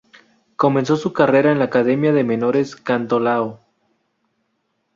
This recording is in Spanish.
Comenzó su carrera en la academia de menores Cantolao.